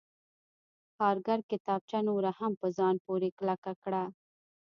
کارګر کتابچه نوره هم په ځان پورې کلکه کړه